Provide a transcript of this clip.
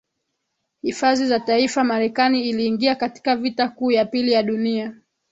hifadhi za taifa Marekani iliingia katika Vita Kuu ya Pili ya Dunia